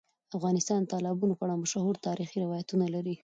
افغانستان د تالابونه په اړه مشهور تاریخی روایتونه لري.